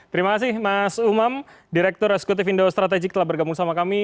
terima kasih mas umam direktur eksekutif indo strategik telah bergabung sama kami